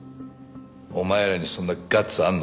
お前らにそんなガッツあるのか？